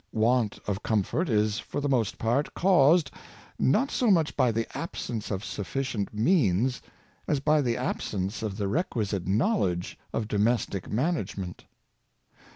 Want of com fort is for the most part caused, not so much by the absence of sufficient means as by the absence of the requisite knowledge of domestic management.